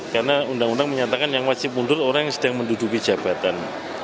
karena undang undang menyatakan yang wajib mundur orang yang sedang menduduki jabatan